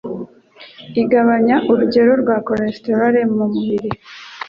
Igabanya urugero rwa cholesterol mbi mu mubiri